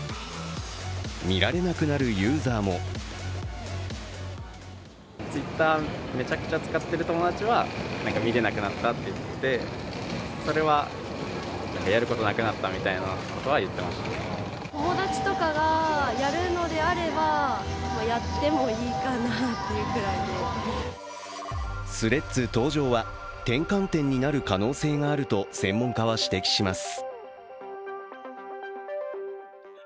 見られなくなるユーザーもＴｈｒｅａｄｓ登場は転換点になる可能性があると専門家は指摘します。